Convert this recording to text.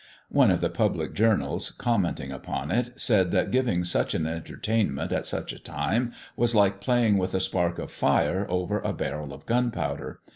One of the public journals, commenting upon it, said that giving such an entertainment at such a time was like playing with a spark of fire over a barrel of gunpowder.